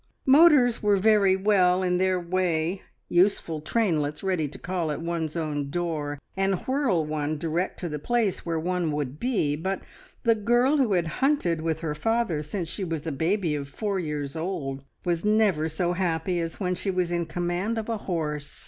Motors were very well in their way useful trainlets ready to call at one's own door and whirl one direct to the place where one would be, but the girl who had hunted with her father since she was a baby of four years old was never so happy as when she was in command of a horse.